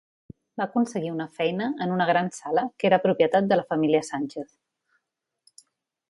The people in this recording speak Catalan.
Va aconseguir una feina en una gran sala que era propietat de la família Sánchez.